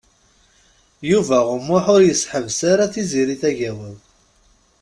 Yuba U Muḥ ur yessehbes ara Tiziri Tagawawt.